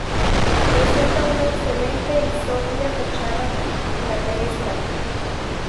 Presenta una excelente y sobria fachada plateresca.